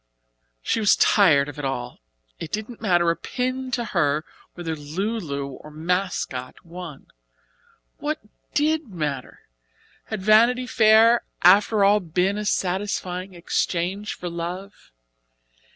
She was tired of it all. It didn't matter a pin to her whether "Lu Lu" or "Mascot" won. What did matter! Had Vanity Fair after all been a satisfying exchange for love?